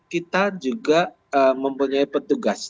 kita juga mempunyai petugas